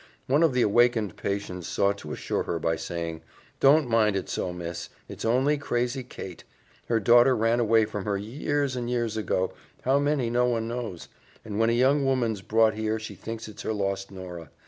One of the awakened patients sought to assure her by saying, "Don't mind it so, miss. It's only old crazy Kate. Her daughter ran away from her years and years ago how many no one knows and when a young woman's brought here she thinks it's her lost Nora.